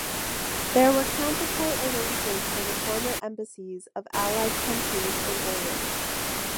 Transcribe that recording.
There were counterpart arrangements for the former embassies of Allied countries in Berlin.